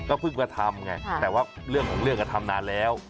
เพิ่งมาทำไงแต่ว่าเรื่องของเรื่องก็ทำนานแล้ว